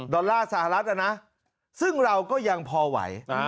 อลลาร์สหรัฐนะซึ่งเราก็ยังพอไหว